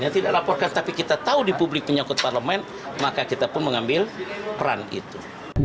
tidak laporkan tapi kita tahu di publik menyangkut parlemen maka kita pun mengambil peran itu